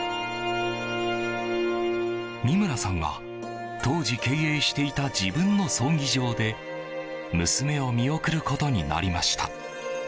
三村さんは当時経営していた自分の葬儀場で娘を見送ることになりました。